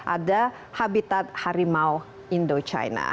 ada habitat harimau indochina